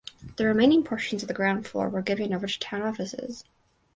The remaining portions of the ground floor were given over to town offices.